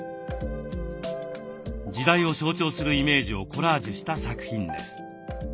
時代を象徴するイメージをコラージュした作品です。